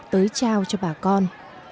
tới trao cho bà con